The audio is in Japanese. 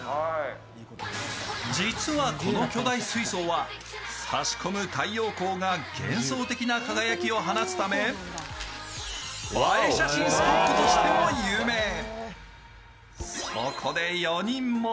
実はこの巨大水槽は差し込む太陽光が幻想的な輝きを放つため、映え写真スポットとしても有名。